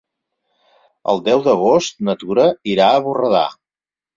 El deu d'agost na Tura irà a Borredà.